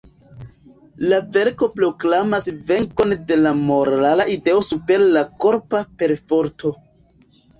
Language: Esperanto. La verko proklamas venkon de la morala ideo super la korpa perforto.